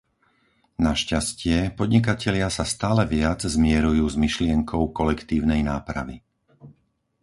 Našťastie, podnikatelia sa stále viac zmierujú s myšlienkou kolektívnej nápravy.